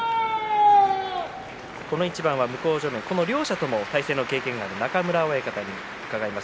この両者と対戦の経験がある中村親方に伺います。